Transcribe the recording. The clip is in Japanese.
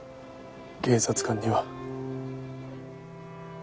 警察官には。